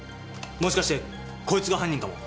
もしかしてこいつが犯人かも。